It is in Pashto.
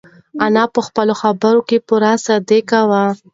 انا په خپلو خبرو کې پوره صادقه وه.